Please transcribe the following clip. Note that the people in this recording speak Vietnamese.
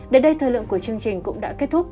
đến đây thời lượng của chương trình cũng đã kết thúc